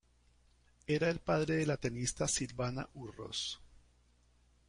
Era el padre de la tenista Silvana Urroz.